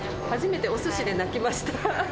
初めておすしで泣きました。